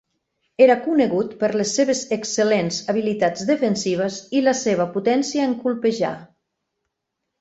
Era conegut per les seves excel·lents habilitats defensives i la seva potència en colpejar.